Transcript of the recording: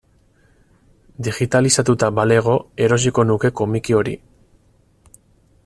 Digitalizatuta balego erosiko nuke komiki hori.